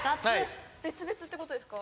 別々ってことですか？